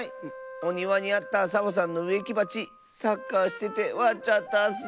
おにわにあったサボさんのうえきばちサッカーしててわっちゃったッス。